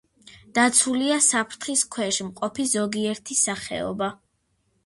დაცულია საფრთხის ქვეშ მყოფი ზოგიერთი სახეობა.